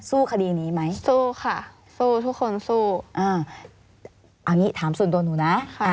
คดีนี้ไหมสู้ค่ะสู้ทุกคนสู้อ่าเอางี้ถามส่วนตัวหนูนะ